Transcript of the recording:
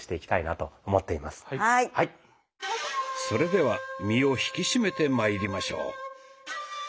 それでは身を引き締めてまいりましょう。